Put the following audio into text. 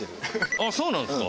あっそうなんですか？